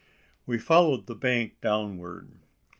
We followed the bank downward.